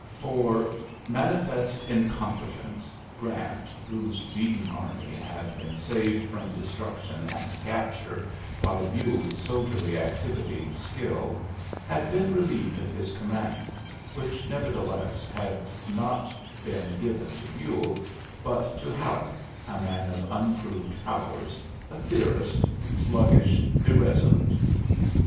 For manifest incompetence Grant, whose beaten army had been saved from destruction and capture by Buell's soldierly activity and skill, had been relieved of his command, which nevertheless had not been given to Buell, but to Halleck, a man of unproved powers, a theorist, sluggish, irresolute.